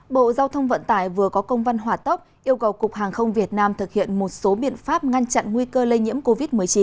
bộ giao thông vận tải vừa có công văn hỏa tốc yêu cầu cục hàng không việt nam thực hiện một số biện pháp ngăn chặn nguy cơ lây nhiễm covid một mươi chín